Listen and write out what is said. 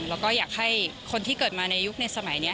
แล้วก็อยากให้คนที่เกิดมาในยุคในสมัยนี้